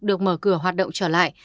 được mở cửa hoạt động trở lại